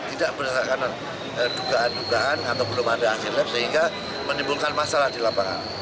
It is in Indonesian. tidak berdasarkan dugaan dugaan atau belum ada hasil lab sehingga menimbulkan masalah di lapangan